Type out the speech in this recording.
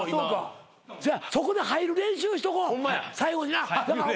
そこに入る練習しとこ最後にな。